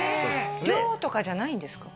寮とかじゃないんですか？